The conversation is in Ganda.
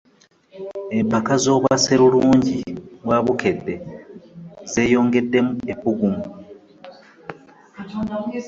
Epaka z'obwa sserulungi wa bukedde z'eyogedde ebbugumu.